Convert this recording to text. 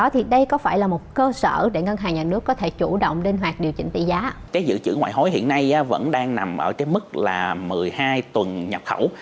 tỷ lệ dự trữ ngoại hối hiện nay vẫn đang nằm ở mức một mươi hai tuần nhập khẩu